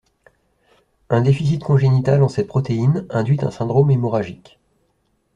Un déficit congénital en cette protéine induit un syndrome hémorragique.